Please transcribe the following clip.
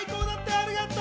ありがとう！